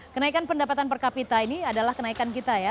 kenaikan pendapatan per kapita ini adalah kenaikan kita ya